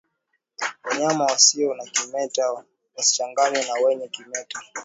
Wanyama wasio na kimeta wasichanganwe na wenye kimeta